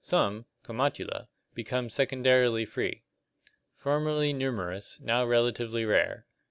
Some (Comatula) become secondarily free. Formerly numerous, now relatively rare.